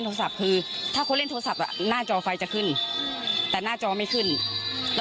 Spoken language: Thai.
น้องจ้อยนั่งก้มหน้าไม่มีใครรู้ข่าวว่าน้องจ้อยเสียชีวิตไปแล้ว